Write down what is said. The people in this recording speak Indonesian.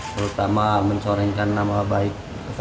terutama mencorengkan nama baik